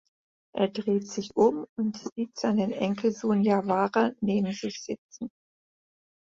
Er dreht sich um und sieht seinen Enkelsohn Jawara neben sich sitzen.